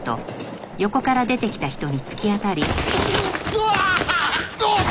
うわっ！